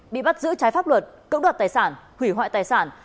bị bắt giữ trái pháp luật cưỡng đoạt tài sản hủy hoại tài sản